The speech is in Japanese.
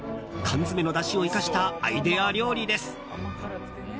缶詰のだしを生かしたアイデア料理です。